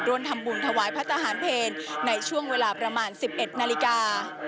ร่วมทำบุญถวายพระทหารเพลในช่วงเวลาประมาณ๑๑นาฬิกา